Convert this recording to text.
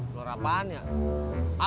ular apaan ya